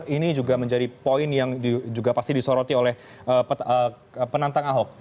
ini juga menjadi poin yang juga pasti disoroti oleh penantang ahok